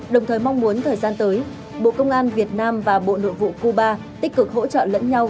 đồng thời mong muốn thời gian tới bộ công an việt nam và bộ nội vụ cuba tích cực hỗ trợ lẫn nhau